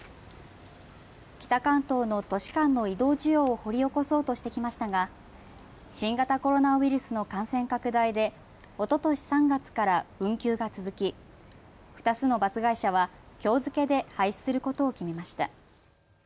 北関東の都市間の移動需要を掘り起こそうとしてきましたが新型コロナウイルスの感染拡大でおととし３月から運休が続き２つのバス会社はきょう付けで廃止することを決めました。